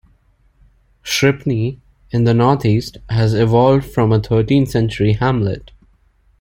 Shripney, in the northeast, has evolved from a thirteenth-century hamlet.